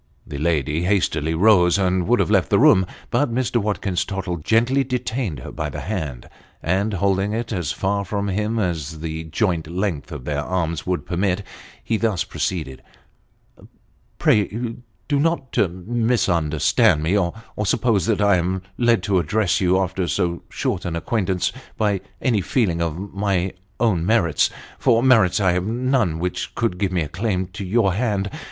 The lady hastily rose and would have left the room ; but Mr. Watkins Tottle gently detained her by the hand, and holding it as far from him as the joint length of their arms would permit, he thus proceeded, " Pray do not misunderstand me, or suppose that I am led to address you, after so short an acquaintance, by any feeling of my own merits tor merits I have none which could give me a claim to your hand.